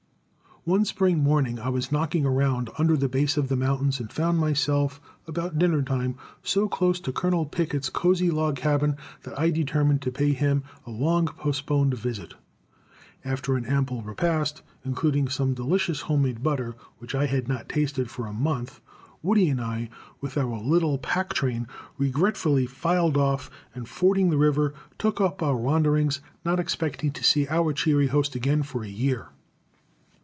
One spring morning I was knocking around under the base of the mountains and found myself, about dinner time, so close to Colonel Pickett's cozy log cabin that I determined to pay him a long postponed visit. After an ample repast, including some delicious home made butter, which I had not tasted for a month, Woody and I, with our little pack train, regretfully filed off, and, fording the river, took up our wanderings, not expecting to see our cheery host again for a year.